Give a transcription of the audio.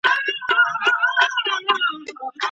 د ظالمانه تصميمونو په وړاندې کلک ودرېږئ.